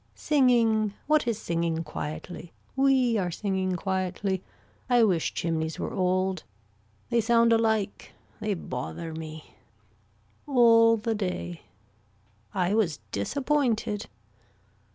Singing. What is singing quietly. We are singing quietly. I wish chimneys were old. They sound alike. They bother me. All the day. I was disappointed.